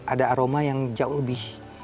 ada aroma yang jauh lebih